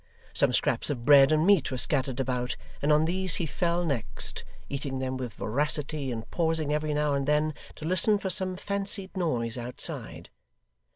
Some scraps of bread and meat were scattered about, and on these he fell next; eating them with voracity, and pausing every now and then to listen for some fancied noise outside.